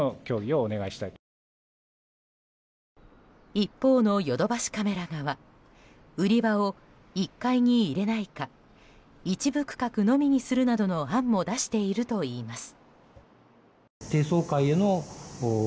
一方のヨドバシカメラ側売り場を１階に入れないか一部区画のみにするなどの案も出しているといいます。